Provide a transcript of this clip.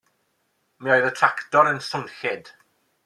Mi oedd y tractor yn swnllyd.